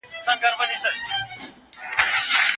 ايا دا کتاب ستا پلار ليکلی دی؟